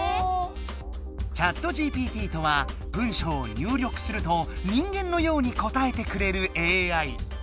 ＣｈａｔＧＰＴとは文章を入力すると人間のように答えてくれるＡＩ。